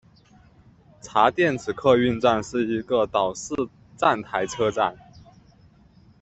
茶店子客运站是一个岛式站台车站。